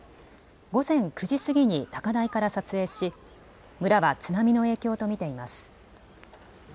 午前９時過ぎに高台から撮影し村は津波の影響と見ています。